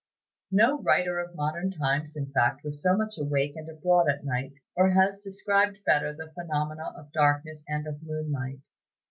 No writer of modern times, in fact, was so much awake and abroad at night, or has described better the phenomena of darkness and of moonlight.